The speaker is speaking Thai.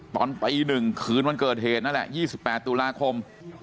ตอนตี๑คืนวันเกิดเหตุนั่นแหละ๒๘ตุลาคม